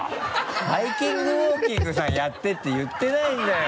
ハイキングウォーキングさんやってって言ってないんだよ